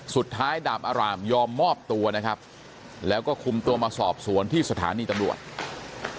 ดาบอารามยอมมอบตัวนะครับแล้วก็คุมตัวมาสอบสวนที่สถานีตำรวจ